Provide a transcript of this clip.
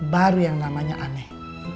baru yang namanya aneh